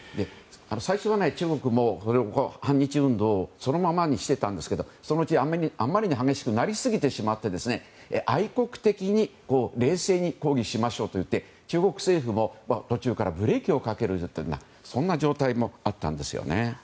最初は中国も反日運動をそのままにしてたんですけどそのうちあまりに激しくなりすぎてしまって愛国的に冷静に抗議しましょうと言って中国政府も途中からブレーキをかけるようなそんな状態もあったんですよね。